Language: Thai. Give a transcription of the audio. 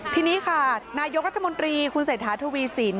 ทีนี้ค่ะนายกรัฐมนตรีคุณเศรษฐาทวีสิน